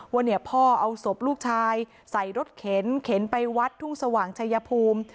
ว่าเนี่ยพ่อเอาศพลูกชายใส่รถเข็นเข็นไปวัดทุ่งสว่างชายภูมิ